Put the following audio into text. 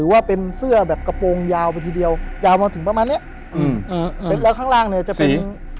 แบบกระโปรงเยาวไปทีเดียวมาถึงประมาณนี้แล้วข้างล่างนี้จะเป็น